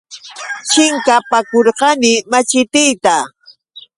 Chinkapakurqani machitiita.